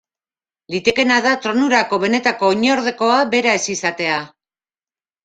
Litekeena da tronurako benetako oinordekoa bera ez izatea.